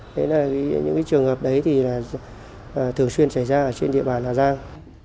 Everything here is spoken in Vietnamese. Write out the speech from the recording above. thế là những trường hợp đấy thì thường xuyên xảy ra trên địa bàn là giang